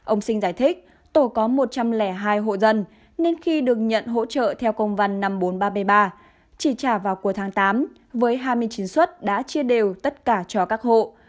ông sinh giải thích tổ có một trăm linh hai hộ dân nên khi được nhận hỗ trợ theo công văn năm nghìn bốn trăm ba mươi ba chỉ trả vào cuối tháng tám với hai mươi chín xuất đã chia đều tất cả cho các hộ